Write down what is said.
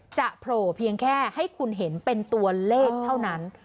โผล่เพียงแค่ให้คุณเห็นเป็นตัวเลขเท่านั้น